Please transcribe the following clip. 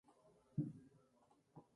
tú no has vivido